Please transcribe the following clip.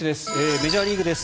メジャーリーグです。